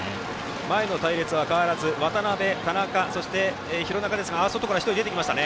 前の隊列は変わらず渡邊、田中、廣中ですが外から１人出てきました。